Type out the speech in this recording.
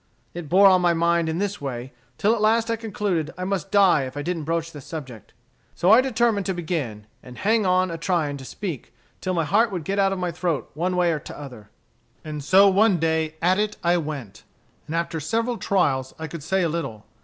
It bore on my mind in this way, till at last I concluded I must die if I didn't broach the subject. So I determined to begin and hang on a trying to speak, till my heart would get out of my throat one way or t'other. "And so one day at it I went, and after several trials I could say a little.